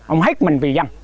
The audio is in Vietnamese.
ông hết mình vì dân